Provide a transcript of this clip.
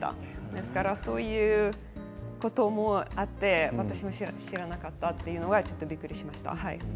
ですから、そういうこともあって私も知らなかったというのはびっくりしました。